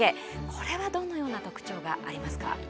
これはどのような特徴がありますか？